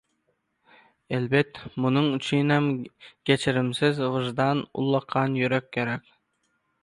Elbet, munuň üçinem geçirimsiz wyjdan, ullakan ýürek gerek.